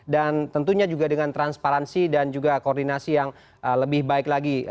dan tentunya juga dengan transparansi dan juga koordinasi yang lebih baik lagi